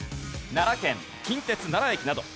奈良県近鉄奈良駅など。